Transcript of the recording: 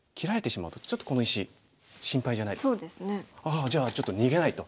ああじゃあちょっと逃げないと。